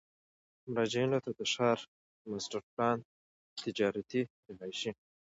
مراجعینو ته د ښار ماسټر پلان، تجارتي، رهایشي،